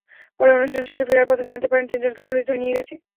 পরে অনুষ্ঠান শেষে ফেরার পথে জানতে পারেন তিনজনকে পুলিশ ধরে নিয়ে গেছে।